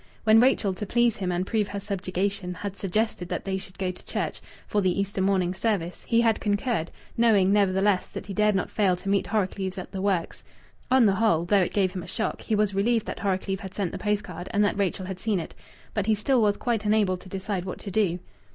When Rachel, to please him and prove her subjugation, had suggested that they should go to church "for the Easter morning service" he had concurred, knowing, nevertheless, that he dared not fail to meet Horrocleave at the works. On the whole, though it gave him a shock, he was relieved that Horrocleave had sent the post card and that Rachel had seen it. But he still was quite unable to decide what to do.